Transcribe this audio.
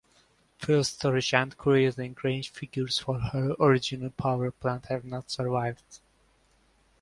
Fuel storage and cruising range figures for her original power plant have not survived.